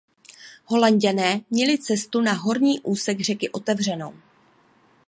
Holanďané měli cestu na horní úsek řeky otevřenou.